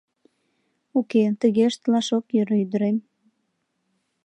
Уке, тыге ыштылаш ок йӧрӧ, ӱдырем.